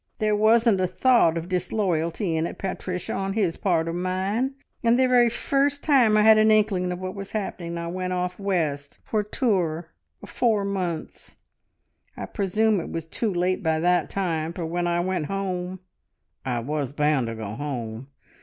There wasn't a thought of disloyalty in it, Patricia, on his part or mine, and the very first time I had an inkling of what was happening I went off west for a tour of four months. I presume it was too late by that time, for when I went home (I was bound to go home!)